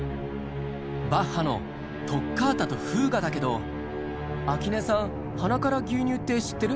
バッハの「トッカータとフーガ」だけど秋音さん「鼻から牛乳」って知ってる？